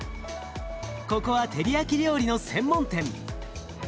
ここはテリヤキ料理の専門店。